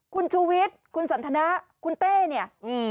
คุณชูวิทย์คุณสันทนะคุณเต้เนี่ยอืม